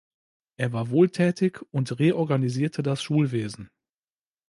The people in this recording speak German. Er war wohltätig und reorganisierte das Schulwesen.